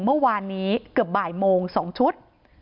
เมื่อวานนี้เกือบบ่ายโมง๒ชุด